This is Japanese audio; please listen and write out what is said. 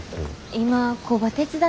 今工場手伝ってんねん。